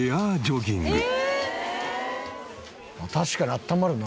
確かにあったまるな。